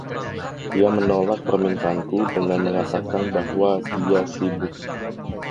Dia menolak permintaanku dengan mengatakan bahwa dia sibuk.